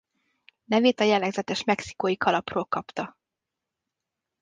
Nevét a jellegzetes mexikói kalapról kapta.